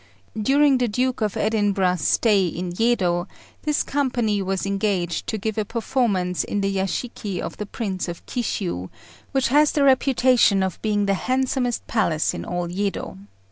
During the Duke of Edinburgh's stay in Yedo, this company was engaged to give a performance in the Yashiki of the Prince of Kishiu, which has the reputation of being the handsomest palace in all Yedo.